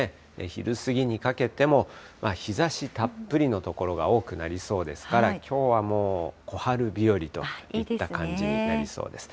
昼過ぎにかけても、日ざしたっぷりの所が多くなりそうですから、きょうはもう小春日和といった感じになりそうです。